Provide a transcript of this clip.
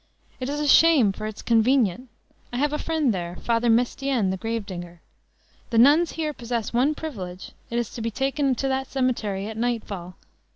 It is a shame, for it is convenient. I have a friend there, Father Mestienne, the grave digger. The nuns here possess one privilege, it is to be taken to that cemetery at nightfall.